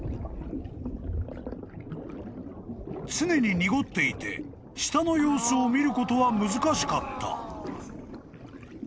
［常に濁っていて下の様子を見ることは難しかった］